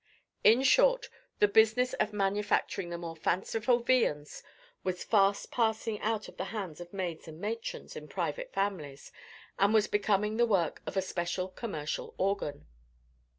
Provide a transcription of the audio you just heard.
In short, the business of manufacturing the more fanciful viands was fast passing out of the hinds of maids and matrons in private families, and was becoming the work of a special commercial organ.